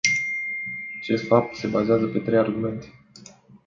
Acest fapt se bazează pe trei argumente.